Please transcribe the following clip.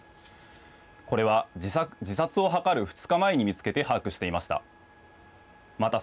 これは自殺を図る２日前に見つけて把握していました。